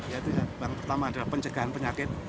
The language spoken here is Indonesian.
yaitu yang pertama adalah pencegahan penyakit